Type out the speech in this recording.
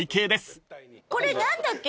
これ何だっけ？